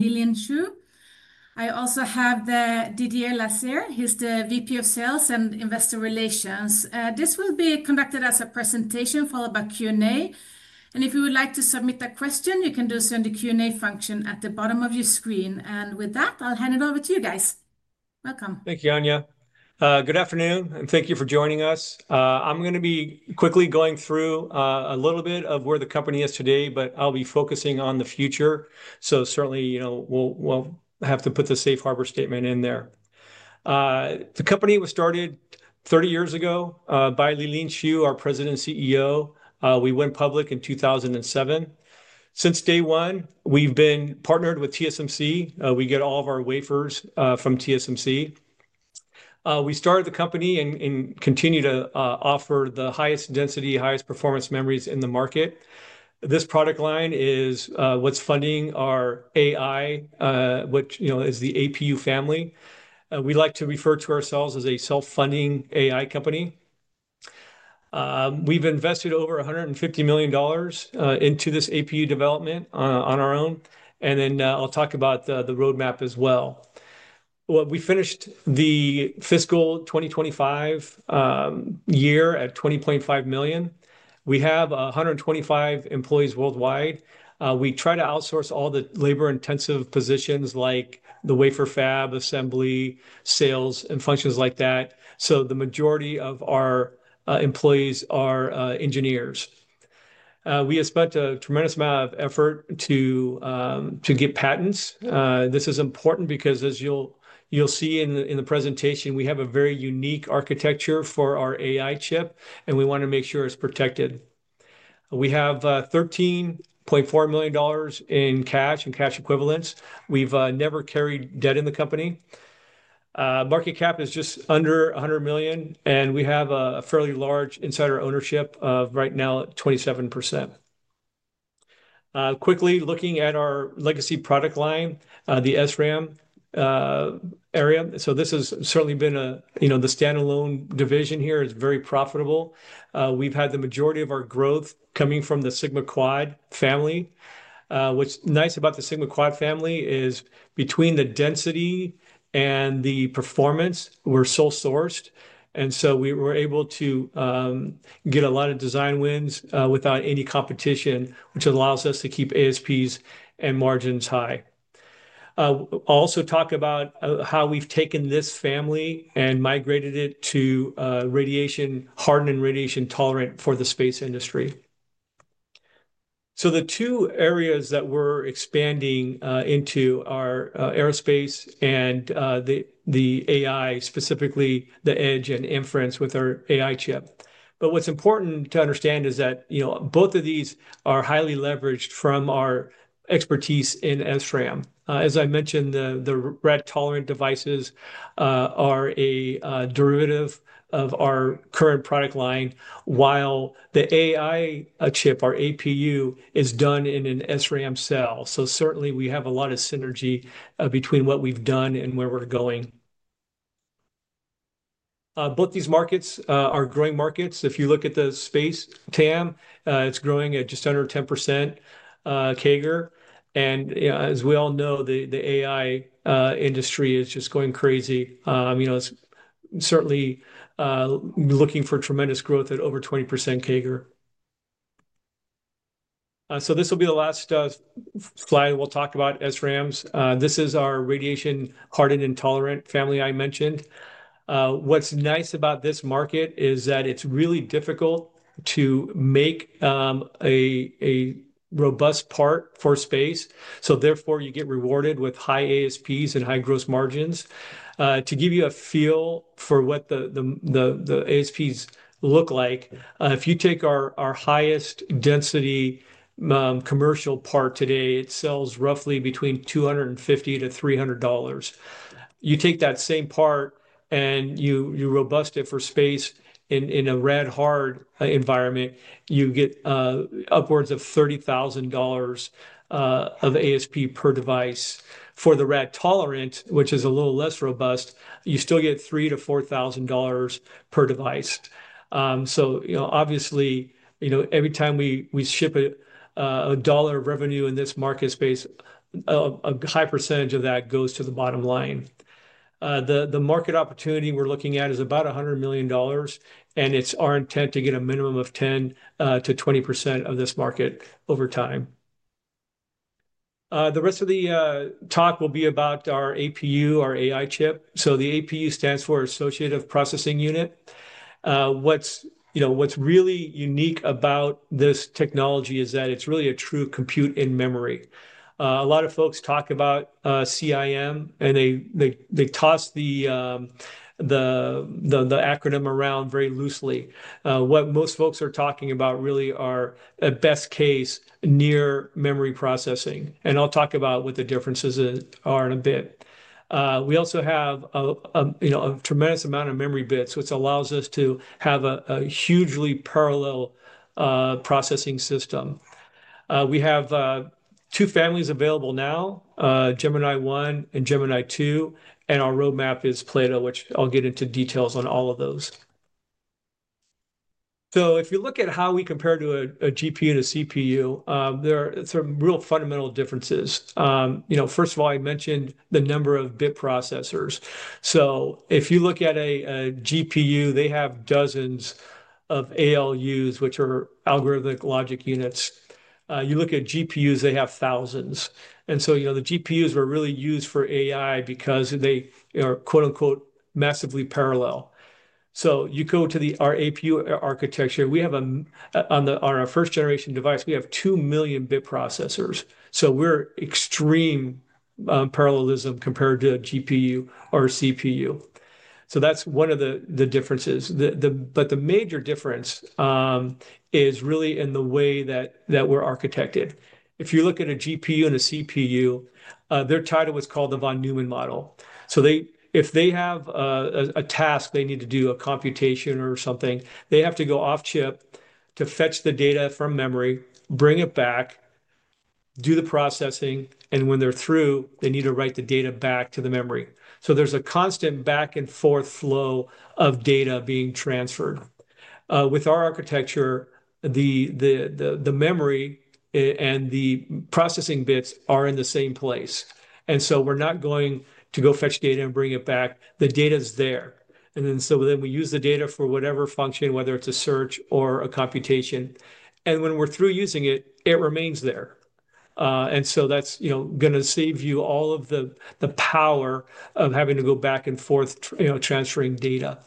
Liliin Xu. I also have Didier Lasserre. He's the VP of Sales and Investor Relations. This will be conducted as a presentation followed by Q&A. If you would like to submit a question, you can do so in the Q&A function at the bottom of your screen. With that, I'll hand it over to you guys. Welcome. Thank you, Anya. Good afternoon, and thank you for joining us. I'm going to be quickly going through a little bit of where the company is today, but I'll be focusing on the future. Certainly, you know, we'll have to put the Safe Harbor statement in there. The company was started 30 years ago by Liliin Xu, our President and CEO. We went public in 2007. Since day one, we've been partnered with TSMC. We get all of our wafers from TSMC. We started the company and continue to offer the highest density, highest performance memories in the market. This product line is what's funding our AI, which, you know, is the APU family. We like to refer to ourselves as a self-funding AI company. We've invested over $150 million into this APU development on our own. I'll talk about the roadmap as well. We finished the fiscal 2025 year at $20.5 million. We have 125 employees worldwide. We try to outsource all the labor-intensive positions like the wafer fab, assembly, sales, and functions like that. The majority of our employees are engineers. We have spent a tremendous amount of effort to get patents. This is important because, as you'll see in the presentation, we have a very unique architecture for our AI chip, and we want to make sure it's protected. We have $13.4 million in cash and cash equivalents. We've never carried debt in the company. Market cap is just under $100 million, and we have a fairly large insider ownership of right now at 27%. Quickly looking at our legacy product line, the SRAM area. This has certainly been a, you know, the standalone division here is very profitable. We've had the majority of our growth coming from the SigmaQuad family. What's nice about the SigmaQuad family is between the density and the performance, we're sole sourced. And so we were able to get a lot of design wins without any competition, which allows us to keep ASPs and margins high. I'll also talk about how we've taken this family and migrated it to radiation hardened and radiation tolerant for the space industry. The two areas that we're expanding into are aerospace and the AI, specifically the edge and inference with our AI chip. What's important to understand is that, you know, both of these are highly leveraged from our expertise in SRAM. As I mentioned, the rad tolerant devices are a derivative of our current product line, while the AI chip, our APU, is done in an SRAM cell. Certainly, we have a lot of synergy between what we've done and where we're going. Both these markets are growing markets. If you look at the space, TAM, it's growing at just under 10% CAGR. You know, the AI industry is just going crazy. It's certainly looking for tremendous growth at over 20% CAGR. This will be the last slide we'll talk about SRAMs. This is our radiation hardened and tolerant family I mentioned. What's nice about this market is that it's really difficult to make a robust part for space. Therefore, you get rewarded with high ASPs and high gross margins. To give you a feel for what the ASPs look like, if you take our highest density commercial part today, it sells roughly between $250-$300. You take that same part and you robust it for space in a rad hard environment, you get upwards of $30,000 of ASP per device. For the rad tolerant, which is a little less robust, you still get $3,000-$4,000 per device. So, you know, obviously, you know, every time we ship a dollar of revenue in this market space, a high percentage of that goes to the bottom line. The market opportunity we're looking at is about $100 million, and it's our intent to get a minimum of 10%-20% of this market over time. The rest of the talk will be about our APU, our AI chip. So the APU stands for Associative Processing Unit. What's, you know, what's really unique about this technology is that it's really a true compute in memory. A lot of folks talk about CIM, and they toss the acronym around very loosely. What most folks are talking about really are at best case near memory processing. I'll talk about what the differences are in a bit. We also have, you know, a tremendous amount of memory bits, which allows us to have a hugely parallel processing system. We have two families available now, Gemini one and Gemini two, and our roadmap is Plato, which I'll get into details on all of those. If you look at how we compare to a GPU and a CPU, there are some real fundamental differences. You know, first of all, I mentioned the number of bit processors. If you look at a GPU, they have dozens of ALUs, which are arithmetic logic units. You look at GPUs, they have thousands. You know, the GPUs were really used for AI because they are "massively parallel." You go to our APU architecture, we have on our first generation device, we have 2 million bit processors. We are extreme parallelism compared to a GPU or a CPU. That is one of the differences. The major difference is really in the way that we are architected. If you look at a GPU and a CPU, their title was called the Von Neumann model. If they have a task they need to do, a computation or something, they have to go off chip to fetch the data from memory, bring it back, do the processing, and when they are through, they need to write the data back to the memory. There is a constant back and forth flow of data being transferred. With our architecture, the memory and the processing bits are in the same place. We are not going to go fetch data and bring it back. The data is there. We use the data for whatever function, whether it is a search or a computation. When we are through using it, it remains there. That is, you know, going to save you all of the power of having to go back and forth, you know, transferring data.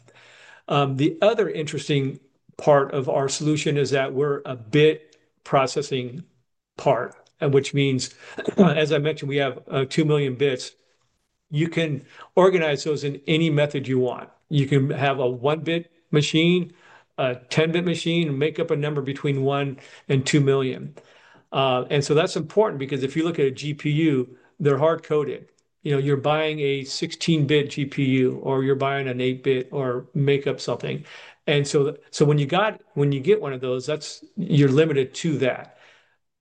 The other interesting part of our solution is that we are a bit processing part, which means, as I mentioned, we have two million bits. You can organize those in any method you want. You can have a one-bit machine, a 10-bit machine, and make up a number between one and two million. That is important because if you look at a GPU, they are hard-coded. You know, you're buying a 16-bit GPU or you're buying an eight-bit or make up something. When you get one of those, you're limited to that.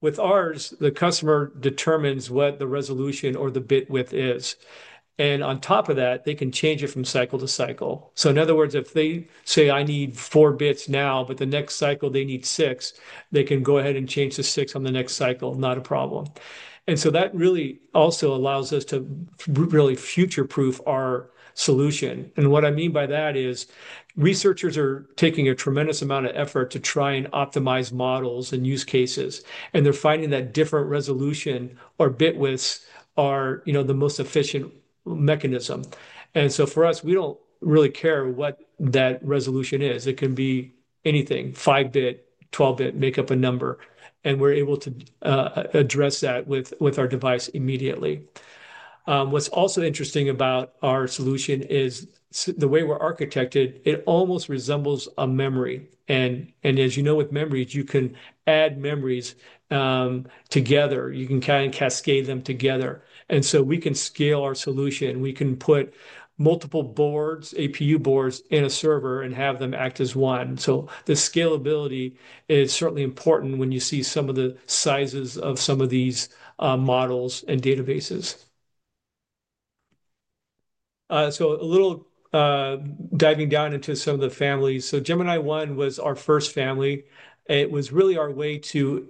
With ours, the customer determines what the resolution or the bit width is. On top of that, they can change it from cycle to cycle. In other words, if they say, "I need four bits now," but the next cycle they need six, they can go ahead and change to six on the next cycle, not a problem. That really also allows us to really future-proof our solution. What I mean by that is researchers are taking a tremendous amount of effort to try and optimize models and use cases. They're finding that different resolution or bit widths are, you know, the most efficient mechanism. For us, we do not really care what that resolution is. It can be anything, five-bit, 12-bit, make up a number. We are able to address that with our device immediately. What is also interesting about our solution is the way we are architected, it almost resembles a memory. As you know, with memories, you can add memories together. You can kind of cascade them together. We can scale our solution. We can put multiple boards, APU boards in a server and have them act as one. The scalability is certainly important when you see some of the sizes of some of these models and databases. A little diving down into some of the families. Gemini one was our first family. It was really our way to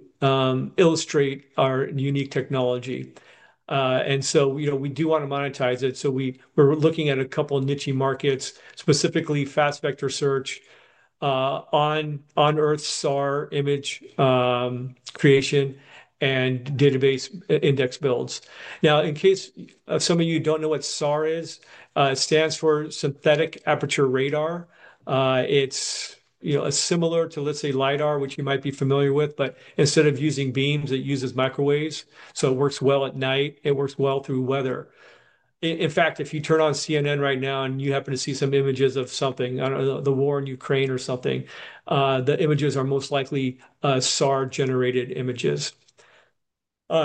illustrate our unique technology. We do want to monetize it. We're looking at a couple of niche markets, specifically fast vector search, on Earth SAR image creation, and database index builds. Now, in case some of you don't know what SAR is, it stands for Synthetic Aperture Radar. It's, you know, similar to, let's say, LiDAR, which you might be familiar with, but instead of using beams, it uses microwaves. It works well at night. It works well through weather. In fact, if you turn on CNN right now and you happen to see some images of something, the war in Ukraine or something, the images are most likely SAR-generated images.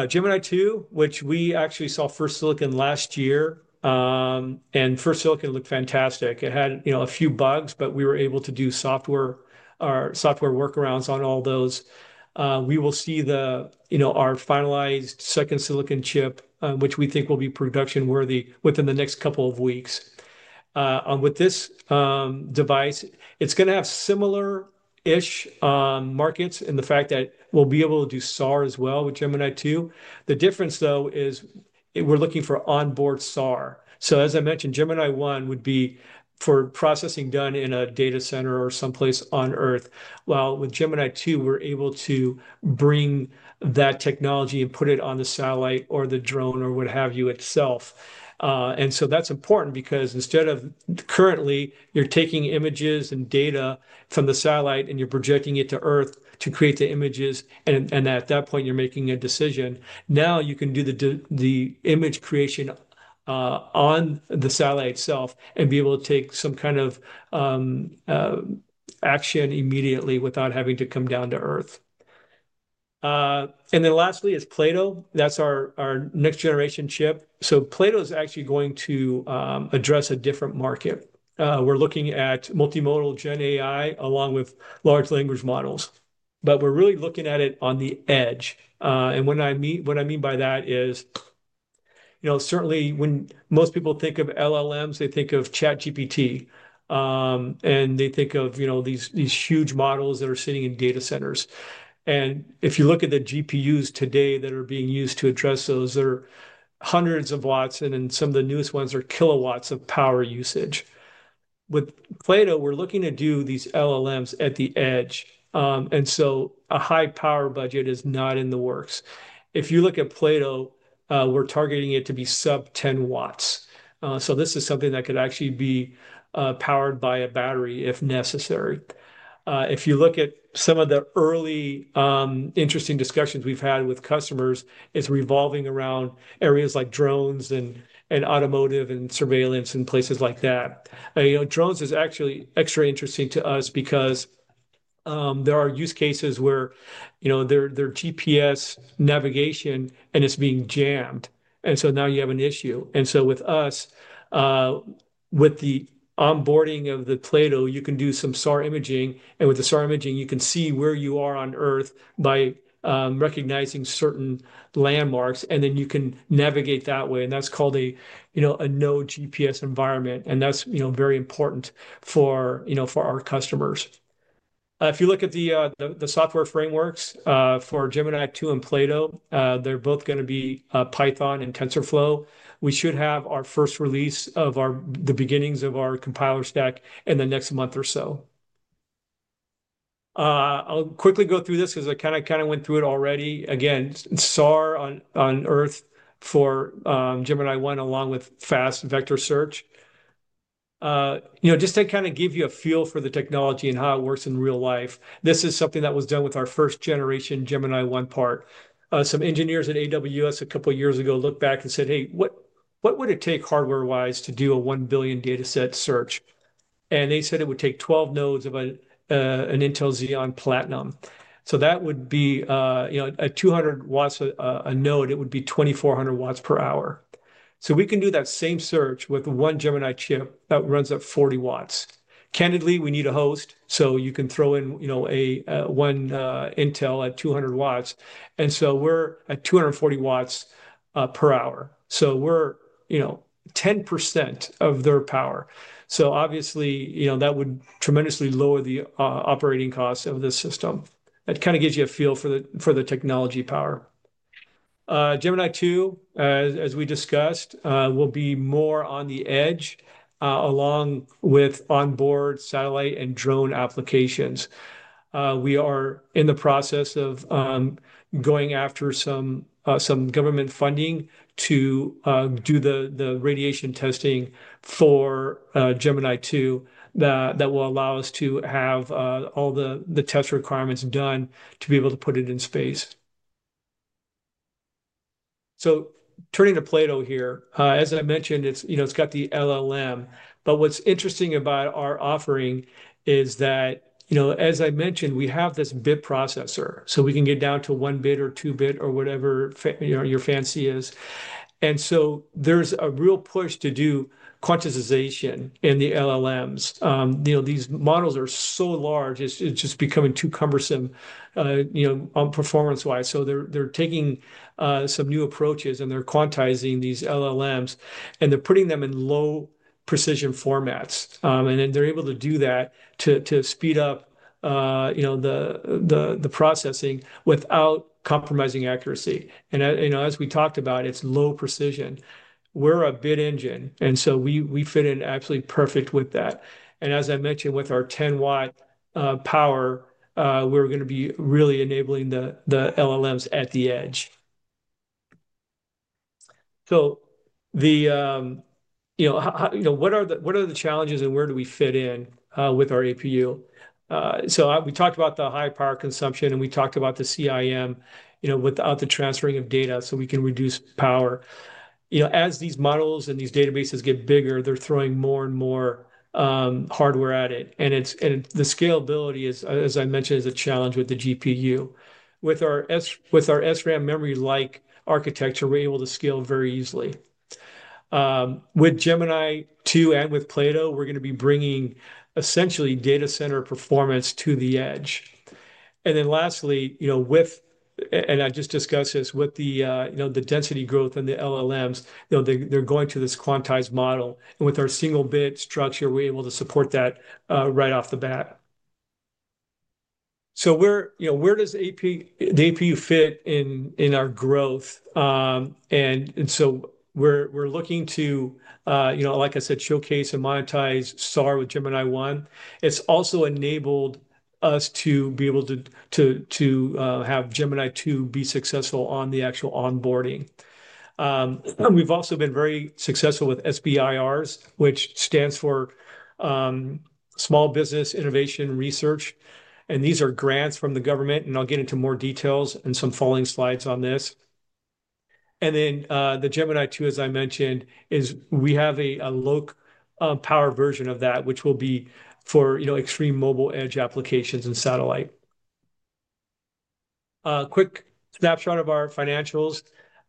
Gemini two, which we actually saw first silicon last year, and first silicon looked fantastic. It had, you know, a few bugs, but we were able to do software workarounds on all those. We will see the, you know, our finalized second silicon chip, which we think will be production-worthy within the next couple of weeks. With this device, it's going to have similar-ish markets in the fact that we'll be able to do SAR as well with Gemini two. The difference, though, is we're looking for onboard SAR. As I mentioned, Gemini one would be for processing done in a data center or someplace on Earth. While with Gemini two, we're able to bring that technology and put it on the satellite or the drone or what have you itself. That is important because instead of currently, you're taking images and data from the satellite and you're projecting it to Earth to create the images, and at that point, you're making a decision. Now you can do the image creation on the satellite itself and be able to take some kind of action immediately without having to come down to Earth. Lastly is Plato. That is our next generation chip. Plato is actually going to address a different market. We are looking at multimodal Gen AI along with large language models. We are really looking at it on the edge. What I mean by that is, you know, certainly when most people think of LLMs, they think of ChatGPT, and they think of, you know, these huge models that are sitting in data centers. If you look at the GPUs today that are being used to address those, there are hundreds of W, and then some of the newest ones are kW of power usage. With Plato, we are looking to do these LLMs at the edge. A high power budget is not in the works. If you look at Plato, we're targeting it to be sub 10 W. This is something that could actually be powered by a battery if necessary. If you look at some of the early interesting discussions we've had with customers, it's revolving around areas like drones and automotive and surveillance and places like that. You know, drones is actually extra interesting to us because there are use cases where, you know, their GPS navigation and it's being jammed. Now you have an issue. With us, with the onboarding of the Plato, you can do some SAR imaging, and with the SAR imaging, you can see where you are on Earth by recognizing certain landmarks, and then you can navigate that way. That's called a, you know, a no-GPS environment. That's, you know, very important for, you know, for our customers. If you look at the software frameworks for Gemini two and Plato, they're both going to be Python and TensorFlow. We should have our first release of the beginnings of our compiler stack in the next month or so. I'll quickly go through this because I kind of went through it already. Again, SAR on Earth for Gemini one along with fast vector search. You know, just to kind of give you a feel for the technology and how it works in real life, this is something that was done with our first generation Gemini one part. Some engineers at AWS a couple of years ago looked back and said, "Hey, what would it take hardware-wise to do a 1 billion data set search?" And they said it would take 12 nodes of an Intel Xeon Platinum. That would be, you know, at 200 W a node, it would be 2,400 W per hour. We can do that same search with one Gemini chip that runs at 40 W. Candidly, we need a host, so you can throw in, you know, one Intel at 200 W. We are at 240 W per hour. We are, you know, 10% of their power. Obviously, you know, that would tremendously lower the operating costs of the system. That kind of gives you a feel for the technology power. Gemini two, as we discussed, will be more on the edge along with onboard satellite and drone applications. We are in the process of going after some government funding to do the radiation testing for Gemini two that will allow us to have all the test requirements done to be able to put it in space. Turning to Plato here, as I mentioned, it's, you know, it's got the LLM. What's interesting about our offering is that, you know, as I mentioned, we have this bit processor, so we can get down to one bit or two bit or whatever your fancy is. There's a real push to do quantization in the LLMs. You know, these models are so large, it's just becoming too cumbersome, you know, performance-wise. They're taking some new approaches, and they're quantizing these LLMs, and they're putting them in low precision formats. They're able to do that to speed up, you know, the processing without compromising accuracy. You know, as we talked about, it's low precision. We're a bit engine, and so we fit in absolutely perfect with that. As I mentioned, with our 10-W power, we're going to be really enabling the LLMs at the edge. The, you know, what are the challenges and where do we fit in with our APU? We talked about the high power consumption, and we talked about the CIM, you know, without the transferring of data so we can reduce power. You know, as these models and these databases get bigger, they're throwing more and more hardware at it. The scalability, as I mentioned, is a challenge with the GPU. With our SRAM memory-like architecture, we're able to scale very easily. With Gemini two and with Plato, we're going to be bringing essentially data center performance to the edge. Lastly, you know, with, and I just discussed this, with the, you know, the density growth and the LLMs, you know, they're going to this quantized model. With our single-bit structure, we're able to support that right off the bat. Where does the APU fit in our growth? We're looking to, you know, like I said, showcase and monetize SAR with Gemini one. It's also enabled us to be able to have Gemini two be successful on the actual onboarding. We've also been very successful with SBIRs, which stands for Small Business Innovation Research. These are grants from the government, and I'll get into more details in some following slides on this. The Gemini two, as I mentioned, is we have a low-power version of that, which will be for, you know, extreme mobile edge applications and satellite. Quick snapshot of our financials.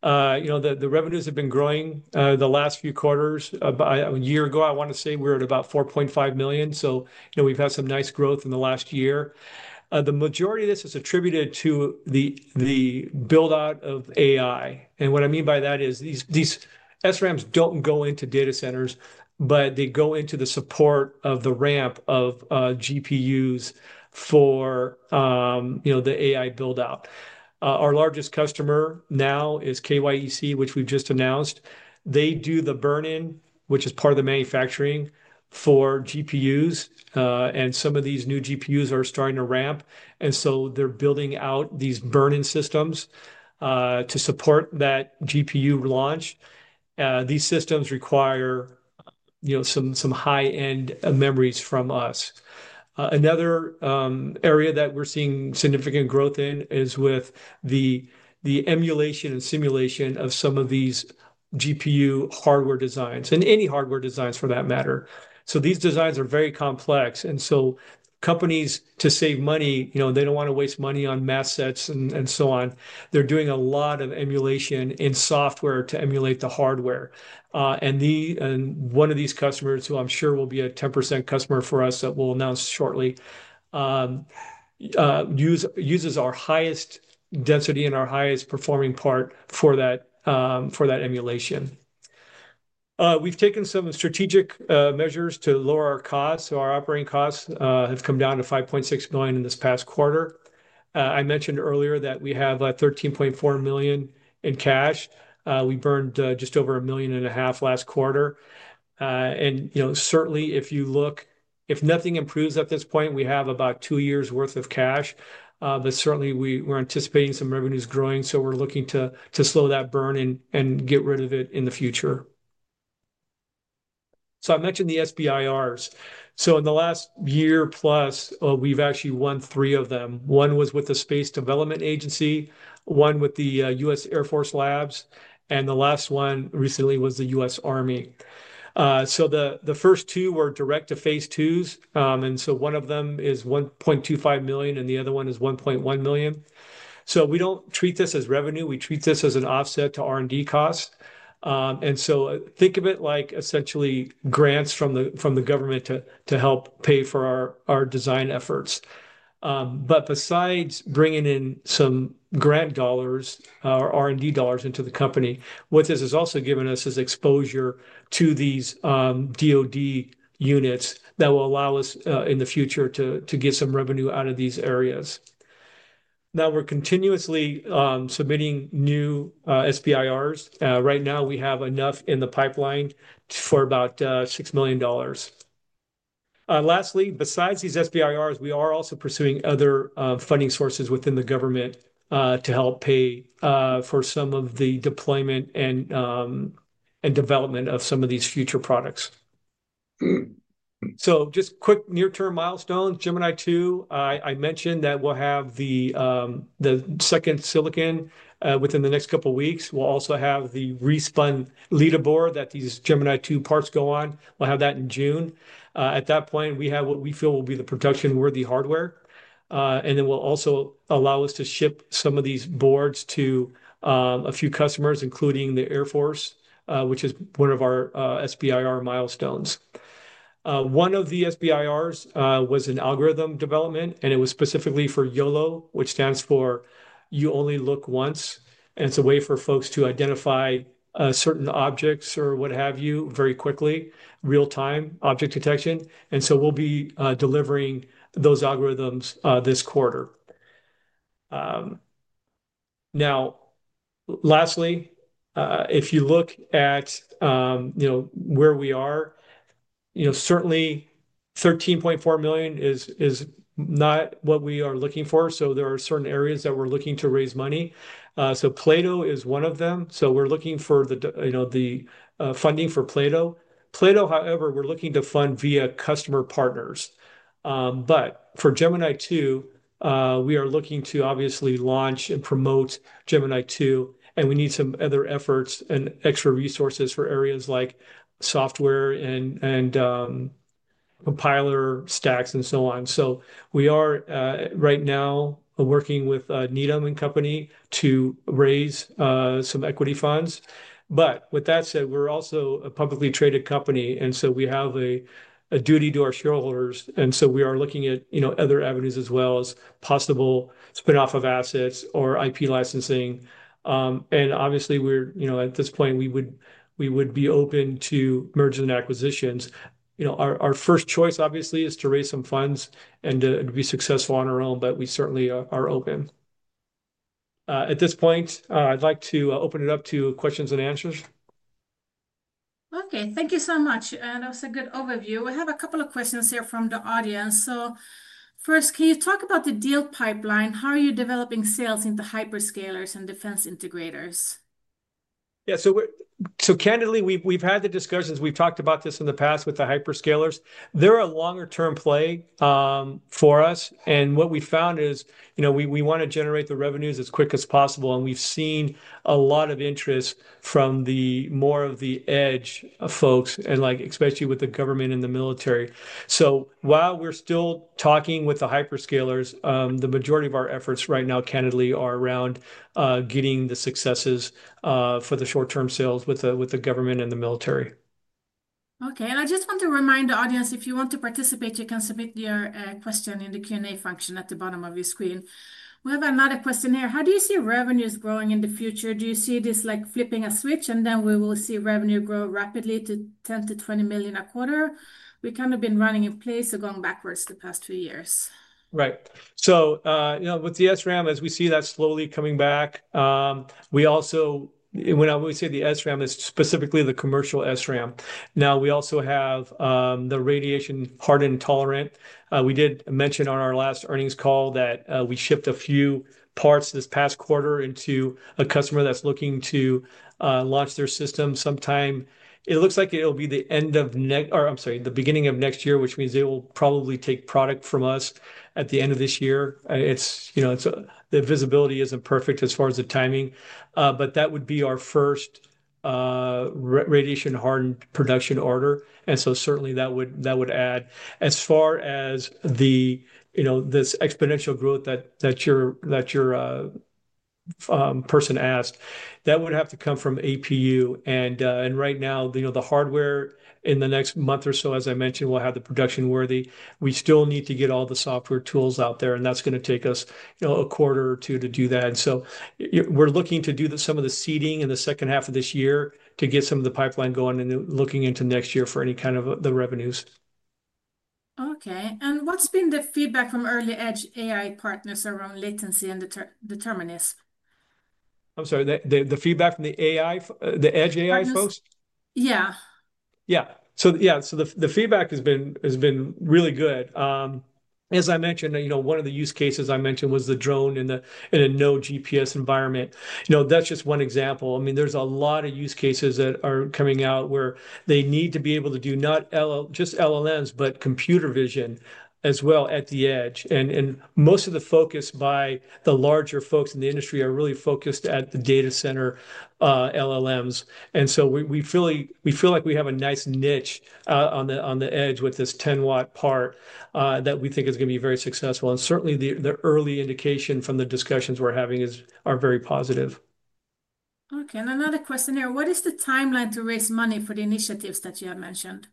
You know, the revenues have been growing the last few quarters. A year ago, I want to say we're at about $4.5 million. You know, we've had some nice growth in the last year. The majority of this is attributed to the build-out of AI. And what I mean by that is these SRAMs don't go into data centers, but they go into the support of the ramp of GPUs for, you know, the AI build-out. Our largest customer now is KYEC, which we've just announced. They do the burn-in, which is part of the manufacturing for GPUs. Some of these new GPUs are starting to ramp. They are building out these burn-in systems to support that GPU launch. These systems require, you know, some high-end memories from us. Another area that we're seeing significant growth in is with the emulation and simulation of some of these GPU hardware designs and any hardware designs for that matter. These designs are very complex. Companies, to save money, you know, they don't want to waste money on mass sets and so on. They're doing a lot of emulation in software to emulate the hardware. One of these customers, who I'm sure will be a 10% customer for us that we'll announce shortly, uses our highest density and our highest performing part for that emulation. We've taken some strategic measures to lower our costs. Our operating costs have come down to $5.6 million in this past quarter. I mentioned earlier that we have $13.4 million in cash. We burned just over $1.5 million last quarter. You know, certainly if you look, if nothing improves at this point, we have about two years' worth of cash. Certainly we're anticipating some revenues growing. We're looking to slow that burn and get rid of it in the future. I mentioned the SBIRs. In the last year +, we've actually won three of them. One was with the Space Development Agency, one with the US Air Force Labs, and the last one recently was the US Army. The first two were direct-to-phase twos. One of them is $1.25 million, and the other one is $1.1 million. We do not treat this as revenue. We treat this as an offset to R&D costs. Think of it like essentially grants from the government to help pay for our design efforts. Besides bringing in some grant dollars or R&D dollars into the company, what this has also given us is exposure to these DOD units that will allow us in the future to get some revenue out of these areas. Now we're continuously submitting new SBIRs. Right now, we have enough in the pipeline for about $6 million. Lastly, besides these SBIRs, we are also pursuing other funding sources within the government to help pay for some of the deployment and development of some of these future products. Just quick near-term milestones. Gemini two, I mentioned that we'll have the second silicon within the next couple of weeks. We'll also have the respun LiDAR board that these Gemini two parts go on. We'll have that in June. At that point, we have what we feel will be the production-worthy hardware. This will also allow us to ship some of these boards to a few customers, including the Air Force, which is one of our SBIR milestones. One of the SBIRs was an algorithm development, and it was specifically for YOLO, which stands for You Only Look Once. It is a way for folks to identify certain objects or what have you very quickly, real-time object detection. We will be delivering those algorithms this quarter. Now, lastly, if you look at, you know, where we are, you know, certainly $13.4 million is not what we are looking for. There are certain areas that we are looking to raise money. Plato is one of them. We are looking for the funding for Plato. Plato, however, we are looking to fund via customer partners. For Gemini two, we are looking to obviously launch and promote Gemini two, and we need some other efforts and extra resources for areas like software and compiler stacks and so on. We are right now working with Needham and Company to raise some equity funds. With that said, we're also a publicly traded company. We have a duty to our shareholders. We are looking at, you know, other avenues as well as possible spinoff of assets or IP licensing. Obviously, we're, you know, at this point, we would be open to mergers and acquisitions. Our first choice, obviously, is to raise some funds and to be successful on our own, but we certainly are open. At this point, I'd like to open it up to questions and answers. Okay. Thank you so much. That was a good overview. We have a couple of questions here from the audience. First, can you talk about the deal pipeline? How are you developing sales into hyperscalers and defense integrators? Yeah. Candidly, we've had the discussions. We've talked about this in the past with the hyperscalers. They're a longer-term play for us. What we found is, you know, we want to generate the revenues as quick as possible. We've seen a lot of interest from more of the edge folks and, like, especially with the government and the military. While we're still talking with the hyperscalers, the majority of our efforts right now, candidly, are around getting the successes for the short-term sales with the government and the military. Okay. I just want to remind the audience, if you want to participate, you can submit your question in the Q&A function at the bottom of your screen. We have another question here. How do you see revenues growing in the future? Do you see this, like, flipping a switch, and then we will see revenue grow rapidly to $10 million-$20 million a quarter? We kind of been running in place or going backwards the past few years. Right. You know, with the SRAM, as we see that slowly coming back, we also, when I would say the SRAM is specifically the commercial SRAM. Now, we also have the radiation hardened tolerant. We did mention on our last earnings call that we shipped a few parts this past quarter into a customer that's looking to launch their system sometime. It looks like it'll be the end of next or, I'm sorry, the beginning of next year, which means they will probably take product from us at the end of this year. It's, you know, the visibility isn't perfect as far as the timing. That would be our first radiation hardened production order. Certainly that would add as far as the, you know, this exponential growth that your person asked, that would have to come from APU. Right now, you know, the hardware in the next month or so, as I mentioned, we'll have the production-worthy. We still need to get all the software tools out there, and that's going to take us, you know, a quarter or two to do that. We are looking to do some of the seeding in the second half of this year to get some of the pipeline going and looking into next year for any kind of the revenues. Okay. What's been the feedback from early-edge AI partners around latency and the determinants? I'm sorry. The feedback from the AI, the edge AI folks? Yeah. Yeah. The feedback has been really good. As I mentioned, you know, one of the use cases I mentioned was the drone in a no-GPS environment. That's just one example. I mean, there are a lot of use cases that are coming out where they need to be able to do not just LLMs, but computer vision as well at the edge. Most of the focus by the larger folks in the industry is really focused at the data center LLMs. We feel like we have a nice niche on the edge with this 10-W part that we think is going to be very successful. Certainly, the early indication from the discussions we are having is very positive. Okay. Another question here. What is the timeline to raise money for the initiatives that you have mentioned?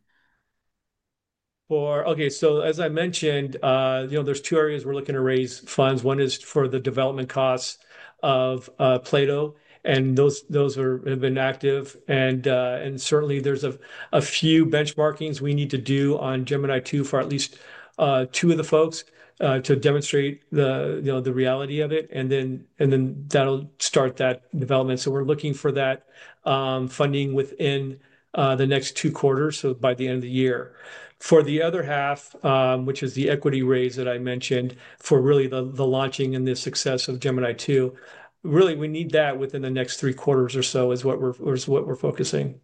Okay. As I mentioned, you know, there are two areas we are looking to raise funds. One is for the development costs of Plato. Those have been active. Certainly, there are a few benchmarkings we need to do on Gemini two for at least two of the folks to demonstrate the reality of it. That will start that development. We are looking for that funding within the next two quarters, so by the end of the year. For the other half, which is the equity raise that I mentioned for really the launching and the success of Gemini two, really we need that within the next three quarters or so is what we're focusing.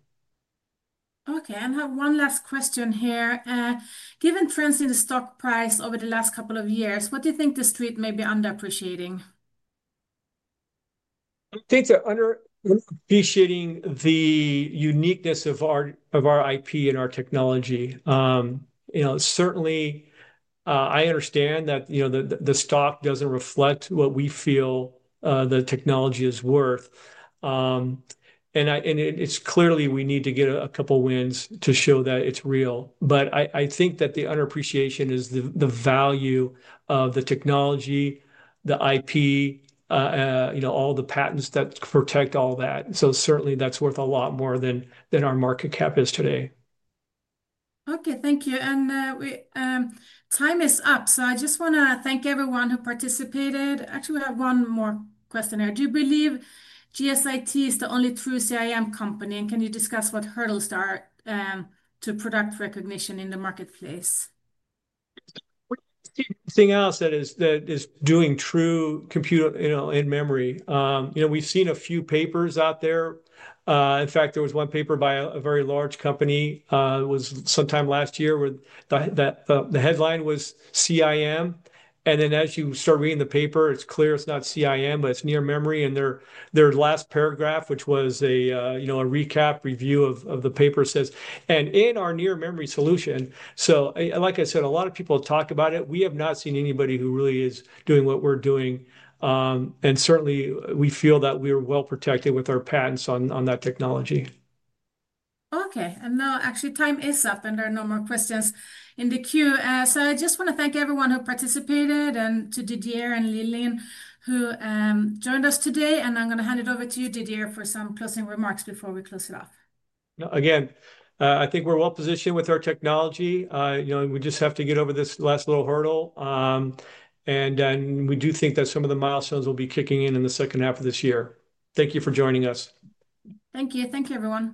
Okay. I have one last question here. Given trends in the stock price over the last couple of years, what do you think the street may be underappreciating? I think they're underappreciating the uniqueness of our IP and our technology. You know, certainly, I understand that, you know, the stock doesn't reflect what we feel the technology is worth. It's clearly we need to get a couple of wins to show that it's real. I think that the underappreciation is the value of the technology, the IP, you know, all the patents that protect all that. Certainly, that's worth a lot more than our market cap is today. Okay. Thank you. Time is up. I just want to thank everyone who participated. Actually, we have one more question here. Do you believe GSIT is the only true CIM company? Can you discuss what hurdles there are to product recognition in the marketplace? We see nothing else that is doing true computer in memory. You know, we've seen a few papers out there. In fact, there was one paper by a very large company. It was sometime last year where the headline was CIM. As you start reading the paper, it's clear it's not CIM, but it's near memory. Their last paragraph, which was a recap review of the paper, says, "And in our near memory solution." Like I said, a lot of people talk about it. We have not seen anybody who really is doing what we're doing. Certainly, we feel that we are well protected with our patents on that technology. Okay. Actually, time is up. There are no more questions in the queue. I just want to thank everyone who participated and to Didier and Liliin who joined us today. I am going to hand it over to you, Didier, for some closing remarks before we close it off. Again, I think we are well positioned with our technology. You know, we just have to get over this last little hurdle. We do think that some of the milestones will be kicking in in the second half of this year. Thank you for joining us. Thank you. Thank you, everyone.